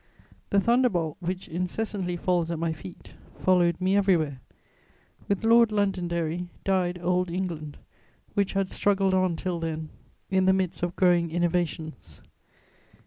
The thunder bolt which incessantly falls at my feet followed me everywhere. With Lord Londonderry died old England, which had struggled on till then in the midst of growing innovations.